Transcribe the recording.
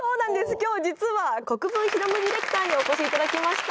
今日実は国分拓ディレクターにお越し頂きました。